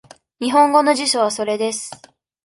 日本語の辞書はそれです。